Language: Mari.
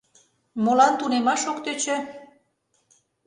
Молан тунемаш ок тӧчӧ?